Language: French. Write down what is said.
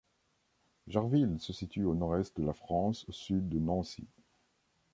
Jarville se situe au nord-est de la France, au sud de Nancy.